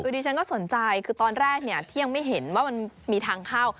ดิฉันก็สนใจคือตอนแรกที่ยังไม่เห็นว่ามันมีทางเข้า